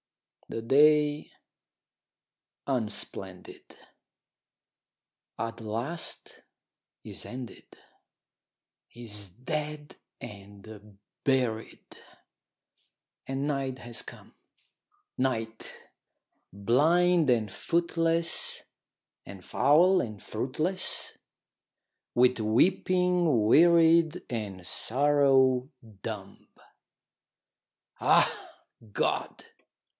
The day, unsplendid, at last is ended, Is dead and buried, and night has come; Night, blind and footless, and foul and fruitless, With weeping wearied, and sorrow dumb. Ah, God!